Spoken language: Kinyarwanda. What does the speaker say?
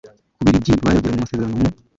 Bubirigi bari bagiranye amasezerano mu